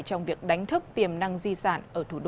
trong việc đánh thức tiềm năng di sản